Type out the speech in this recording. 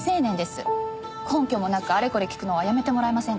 根拠もなくあれこれ聞くのはやめてもらえませんか。